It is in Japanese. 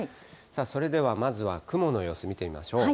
それではまずは雲の様子見てみましょう。